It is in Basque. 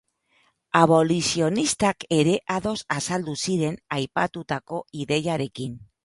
Abolizionistak ere ados azaldu ziren aipatutako ideiarekin.